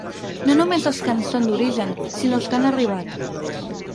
No només dels que en són d’origen, sinó els que han arribat.